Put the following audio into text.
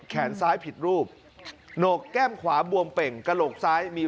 แขนซ้ายผิดรูปหนกแก้มขวาบวมเป่งกระโหลกซ้ายมี